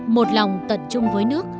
một lòng tận chung với nước